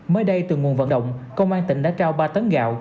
mới đây từ nguồn vận động công an tỉnh đã trao ba tấn gạo